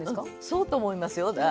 そうと思いますよ。